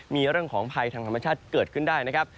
มีเรื่องของภัยทางธรรมชาติเกิดขึ้นได้นะครับ